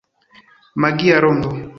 Magia rondo.